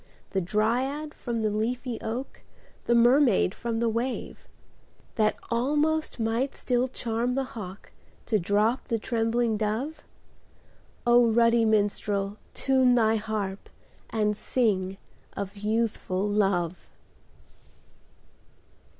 The dryad from the leafy oak, The mermaid from the wave ; That almost might still charm the hawk To drop the trembling dove? ruddy minstrel, time thy harp. And sing of Youthful Love